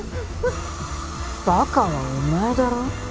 バカはお前だろ。